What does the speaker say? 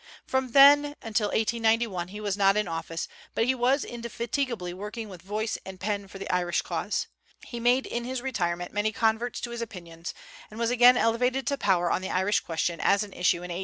From then until 1891 he was not in office, but he was indefatigably working with voice and pen for the Irish cause. He made in his retirement many converts to his opinions, and was again elevated to power on the Irish question as an issue in 1891.